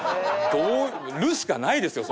どう「る」しかないですよ